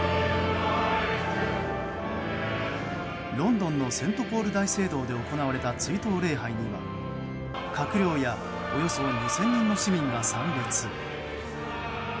ロンドンのセントポール大聖堂で行われた追悼礼拝には閣僚やおよそ２０００人の市民が参列。